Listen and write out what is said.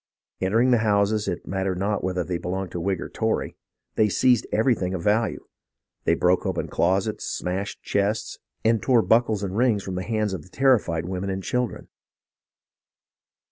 Entering the houses, it mattered not whether they belonged to Whig or Tory, they seized everything of value. They broke open closets, smashed chests, and tore buckles and rings from the hands of the terrified women and children.